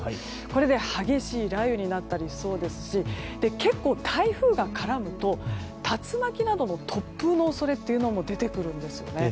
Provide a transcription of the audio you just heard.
これで激しい雷雨になったりしそうですし結構、台風が絡むと竜巻などの突風の恐れも出てくるんですよね。